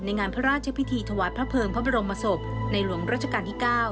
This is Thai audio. งานพระราชพิธีถวายพระเภิงพระบรมศพในหลวงราชการที่๙